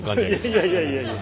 いやいやいやいや。